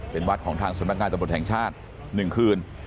เป็นวัดของทางสมัครงานตระบวนแห่งชาติ๑คืน